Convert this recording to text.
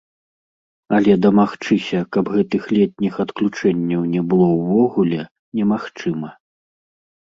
Але дамагчыся, каб гэтых летніх адключэнняў не было ўвогуле, немагчыма.